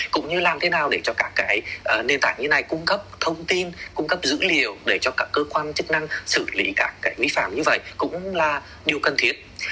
cũng như làm thế nào để cho các cái nền tảng như này cung cấp thông tin cung cấp dữ liệu để cho các cơ quan chức năng xử lý các cái vi phạm như vậy cũng là điều cần thiết